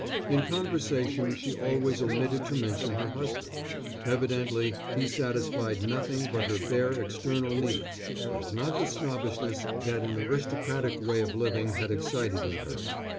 In conversation she always omitted to mention her husband. Evidently he satisfied nothing but her bare external needs and not the snobbishness that an aristocratic way of living had excited in her.